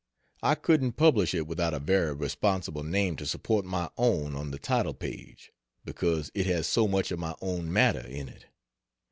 I couldn't publish it without a very responsible name to support my own on the title page, because it has so much of my own matter in it.